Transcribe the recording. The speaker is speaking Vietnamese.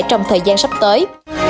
trong thời gian sắp tới